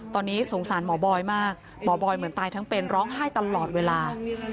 ตอนนี้สงสารหมอบอยมากหมอบอยเหมือนตายทั้งเป็นร้องไห้ตลอดเวลา